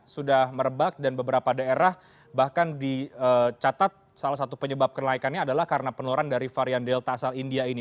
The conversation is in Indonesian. sudah merebak dan beberapa daerah bahkan dicatat salah satu penyebab kenaikannya adalah karena penularan dari varian delta asal india ini